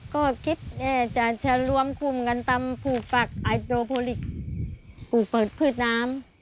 ก็คิดจะรวมคุมกันตามภูปักไอโดรโพลิกปู่เปิดพืชน้ำ